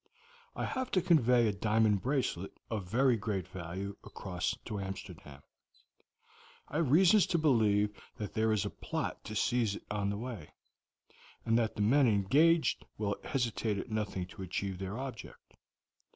"I have to convey a diamond bracelet of very great value across to Amsterdam. I have reasons to believe that there is a plot to seize it on the way, and that the men engaged will hesitate at nothing to achieve their object.